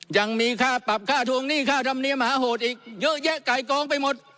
ยังมีค่าปรับค่าทวงหนี้ค่าธรรมเนียมมหาโหดอีกเยอะแยะไก่กองไปหมด